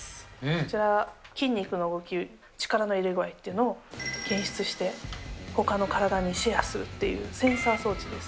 こちら、筋肉の動き、力の入れ具合というのを検出して、ほかの体にシェアするっていう、センサー装置です。